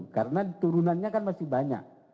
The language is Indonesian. karena turunannya kan masih banyak